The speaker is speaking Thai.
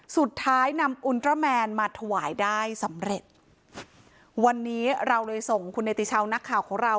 สุดท้ายนำอุณตราแมนมาถวายได้สำเร็จวันนี้เราเลยส่งคุณเนติชาวนักข่าวของเรา